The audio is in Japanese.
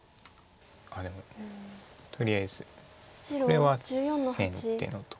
あっでもとりあえずこれは先手のとこです。